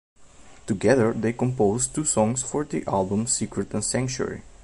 Together they composed two songs for the album, "Secret" and "Sanctuary".